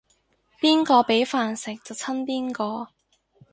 邊個畀飯食就親邊個